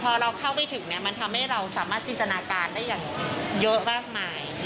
พอเราเข้าไปถึงเนี่ยมันทำให้เราสามารถจินตนาการได้อย่างเยอะมากมาย